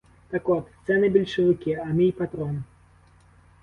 Так от, це не більшовики, а мій патрон.